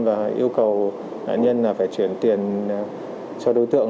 và yêu cầu nạn nhân là phải chuyển tiền cho đối tượng